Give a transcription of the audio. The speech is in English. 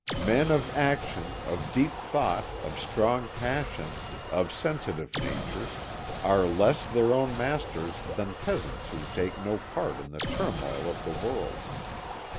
"Men of action, of deep thought, of strong passion, of sensitive natures, are less their own masters than peasants who take no part in the turmoil of the world.